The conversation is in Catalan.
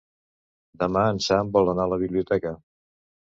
Demà en Sam vol anar a la biblioteca.